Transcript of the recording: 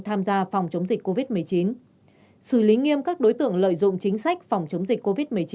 tham gia phòng chống dịch covid một mươi chín xử lý nghiêm các đối tượng lợi dụng chính sách phòng chống dịch covid một mươi chín